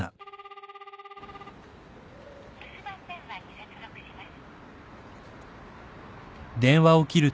留守番電話に接続します。